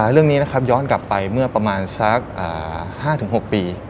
เรื่องนี้นะครับย้อนกลับไปเมื่อประมาณสัก๕๖ปี